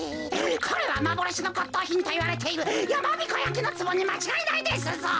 これはまぼろしのこっとうひんといわれているやまびこやきのつぼにまちがいないですぞ！